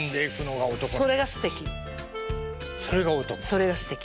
それがすてき。